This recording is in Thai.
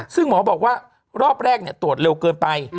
ซึ่งหมอบอกว่ารอบแรกตรวจเร็วเกินไป